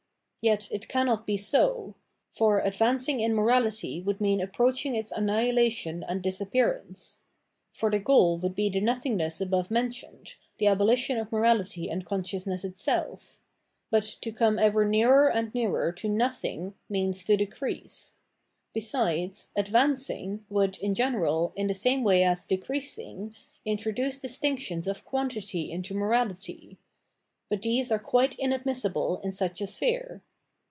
Yet it cannot be so ; for advancing in morality would mean approaching its annihilation and disappearance. For the goal would be the nothingness above mentioned, the abolition of morality and con sciousness itself : but to come ever nearer and nearer to nothing means to decrease. Besides, " advancing would, in general, in the same way as "decreasing," introduce distinctions of quantity into morality: but these are quite inadmissible in such a sphere.